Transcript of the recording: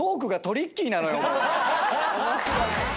面白い。